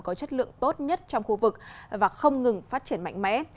có chất lượng tốt nhất trong khu vực và không ngừng phát triển mạnh mẽ